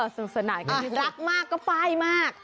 ถูกสนายยังไม่ได้รักมากก็ป้ายมาก